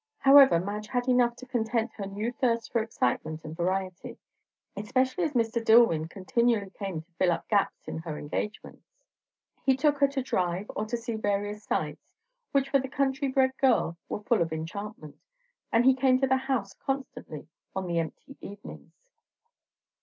However, Madge had enough to content her new thirst for excitement and variety, especially as Mr. Dillwyn continually came in to fill up gaps in her engagements. He took her to drive, or to see various sights, which for the country bred girl were full of enchantment; and he came to the house constantly on the empty evenings.